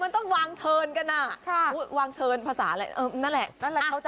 มันต้องวางเทินกันอ่ะวางเทินภาษาอะไรนั่นแหละ